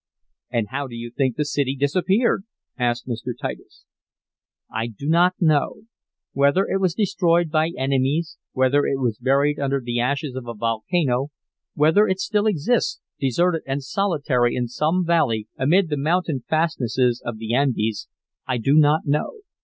"And how do you think the city disappeared?" asked Mr. Titus. "I do not know. Whether it was destroyed by enemies, whether it was buried under the ashes of a volcano, whether it still exists, deserted and solitary in some valley amid the mountain fastnesses of the Andes, I do not know.